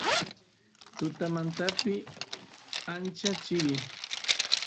tutamantapi ancha chirin